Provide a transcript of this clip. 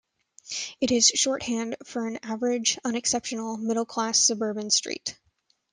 It is shorthand for an average, unexceptional, middle-class suburban street.